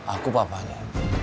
aku papa dia